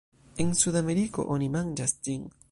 En Sudameriko oni manĝas ĝin.